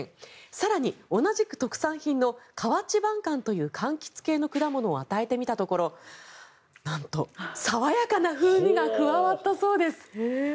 更に、同じく特産品の河内晩柑という柑橘系の果物を与えてみたところなんと爽やかな風味が加わったそうです。